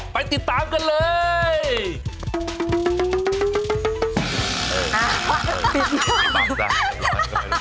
ไปติดตามกันเลย